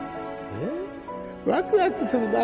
えっワクワクするな